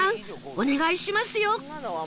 お願いしますよ